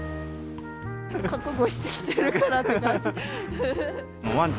覚悟して来てるからって感じ。